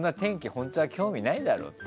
本当は興味ないだろって。